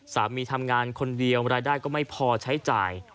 สามีทำงานคนเดียวรายได้ก็ไม่พอใช้จ่าย